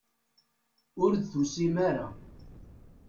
Ur d-tusim ara.